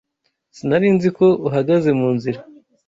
Sinari nzi ko uhagaze mu nzira